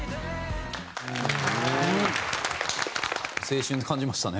青春感じましたね。